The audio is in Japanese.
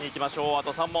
あと３問。